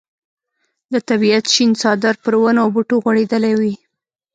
د طبیعت شین څادر پر ونو او بوټو غوړېدلی وي.